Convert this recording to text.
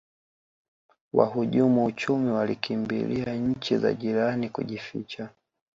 wahujumu uchumi walikimbilia nchi za jirani kujificha